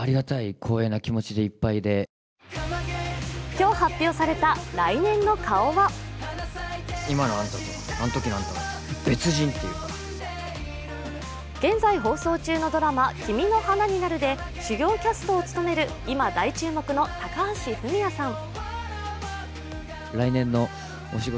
今日発表された来年の顔は現在放送中のドラマ「君の花になる」で主要キャストを務める今、大注目の高橋文哉さん。